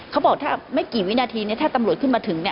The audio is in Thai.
เขาบอกถ้าไม่กี่วินาทีนี้ถ้าตำรวจขึ้นมาถึง